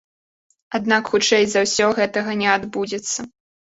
Аднак хутчэй за ўсё гэтага не адбудзецца.